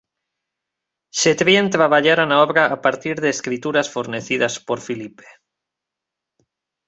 Chrétien traballara na obra a partir de escrituras fornecidas por Filipe.